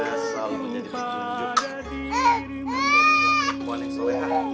semoga selalu menjadi penunjuk